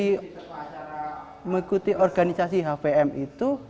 dan mengikuti organisasi hvm itu